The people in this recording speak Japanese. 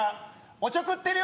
おちょくってるでしょ？